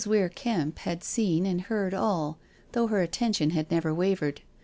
Weir Kemp had seen and heard all, though her attention had never wavered.